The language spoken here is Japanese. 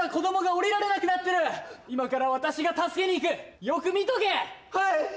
今から私が助けに行くよく見とけはい！